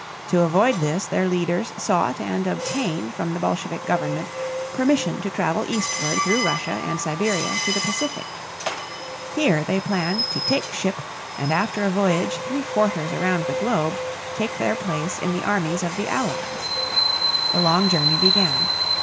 To avoid this their leaders sought and obtained from the Bolshevik government permission to travel eastward through Russia and Siberia to the Pacific. Here they planned to take ship and after a voyage three quarters around the globe take their place in the armies of the Allies. The long journey began.